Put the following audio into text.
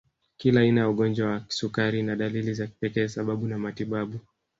Kila aina ya ugonjwa wa kisukari ina dalili za kipekee sababu na matibabu